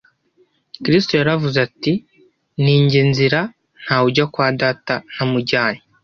Kristo yaravuze ati: "Ninjye Nzira, ntawe ujya kwa Data ntamujyanye."